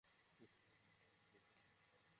তিনি তো আমাকে সৎপথে পরিচালিত করেছেন।